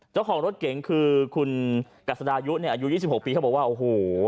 เจ้าของรถเก๋งคือคุณกัสดายุเนี่ยอายุ๒๖ปีเขาบอกว่าโอ้โห